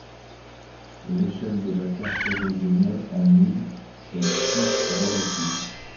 L'échelle de la carte, originellement en miles, est toute relative.